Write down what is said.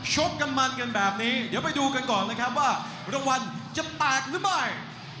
ชกกันมันกันแบบนี้เดี๋ยวไปดูกันก่อนนะครับว่ารางวัลจะแตกหรือไม่